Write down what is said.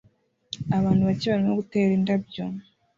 Abantu bake barimo gutera indabyo